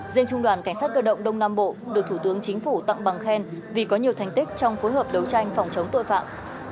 riêng trung đoàn cảnh sát cơ động đông nam bộ được thủ tướng chính phủ tặng bằng khen vì có nhiều thành tích trong phối hợp đấu tranh phòng chống tội phạm